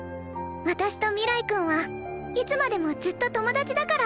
私と明日君はいつまでもずっと友達だから